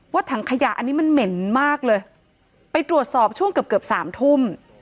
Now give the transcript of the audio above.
ถังขยะอันนี้มันเหม็นมากเลยไปตรวจสอบช่วงเกือบเกือบสามทุ่ม